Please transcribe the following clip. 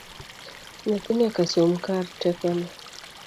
Nyathi nyaka som kar tekone